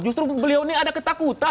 justru beliau ini ada ketakutan